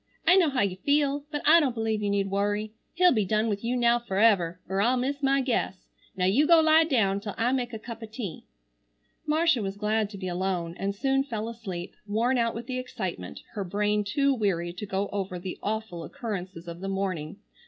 I know how you feel, but I don't believe you need worry. He'll be done with you now forever, er I'll miss my guess. Now you go lie down till I make a cup o' tea." Marcia was glad to be alone, and soon fell asleep, worn out with the excitement, her brain too weary to go over the awful occurrences of the morning.